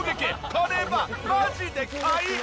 これはマジで買い！